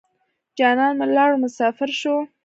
جانان مې ولاړو مسافر شو.